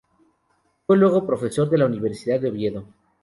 Fue luego profesor de la Universidad de Oviedo.